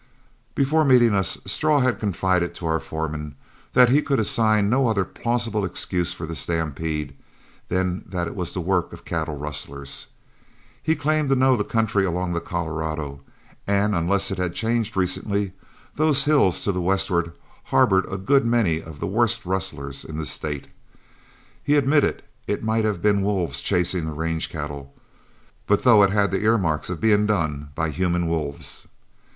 Before meeting us, Straw had confided to our foreman that he could assign no other plausible excuse for the stampede than that it was the work of cattle rustlers. He claimed to know the country along the Colorado, and unless it had changed recently, those hills to the westward harbored a good many of the worst rustlers in the State. He admitted it might have been wolves chasing the range cattle, but thought it had the earmarks of being done by human wolves.